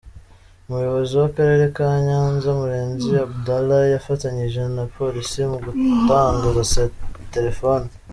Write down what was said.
Umuyobozi w’akarere ka Nyanza Murenzi Abdallah yafatanyije na polisi mu gutanga izo telefoni.